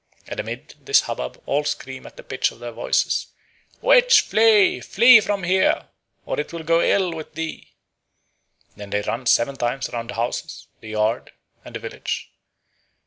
And amid this hubbub all scream at the pitch of their voices: "Witch flee, flee from here, or it will go ill with thee." Then they run seven times round the houses, the yards, and the village.